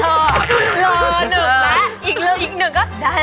โหหนึ่งแล้วอีกหนึ่งอีกหนึ่งก็ได้แหละ